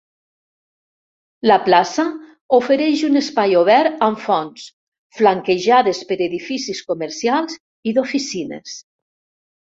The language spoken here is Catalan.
La plaça ofereix un espai obert amb fonts flanquejades per edificis comercials i d'oficines.